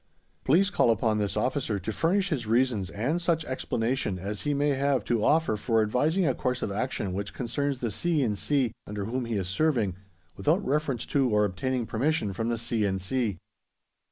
Please call upon this officer to furnish his reasons and such explanation as he may have to offer for advising a course of action which concerns the C. in C. under whom he is serving, without reference to or obtaining permission from the C. in C.